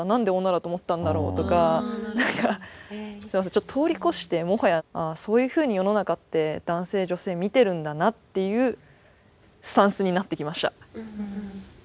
ちょっと通り越してもはやああそういうふうに世の中って男性女性見てるんだなっていうスタンスになってきました。